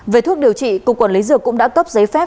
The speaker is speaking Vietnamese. về thuốc điều trị cục quản lý dược cũng đã cấp giấy phép